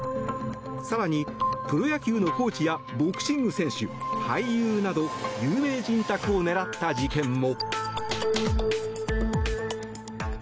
更に、プロ野球のコーチやボクシング選手、俳優など有名人宅を狙った事件も。